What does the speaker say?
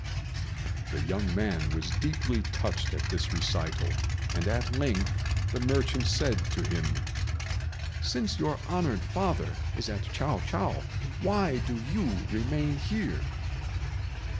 The young man was deeply touched at this recital, and at length the merchant said to him, "Since your honoured father is at Chiao chou, why do you remain here?"